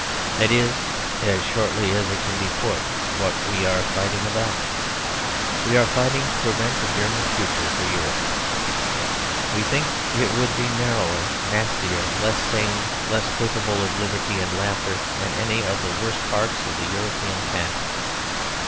That is, as shortly as it can be put, what we are fighting about. We are fighting to prevent a German future for Europe. We think it would be narrower, nastier, less sane, less capable of liberty and of laughter, than any of the worst parts of the European past.